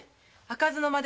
「開かずの間」？